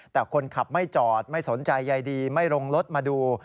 แต่คนขับไม่จอดไม่สนใจใยดีไม่ลงรถมาดู